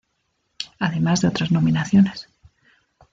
Además de otras nominaciones.